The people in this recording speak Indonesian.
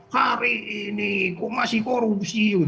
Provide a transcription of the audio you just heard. hari ini kok masih korupsi